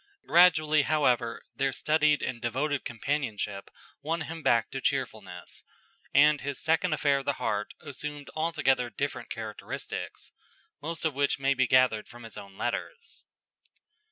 Gradually, however, their studied and devoted companionship won him back to cheerfulness, and his second affair of the heart assumed altogether different characteristics, most of which may be gathered from his own letters.